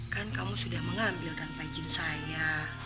kan kamu sudah mengambil tanpa izin saya